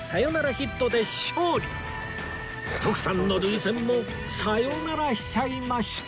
徳さんの涙腺もサヨナラしちゃいました